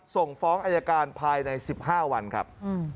ส่งฟ้องอายการภายใน๑๕วันครับ